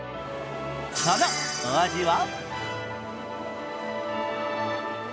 そのお味は？